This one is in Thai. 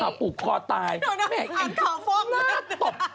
อ่านข่าวฟอก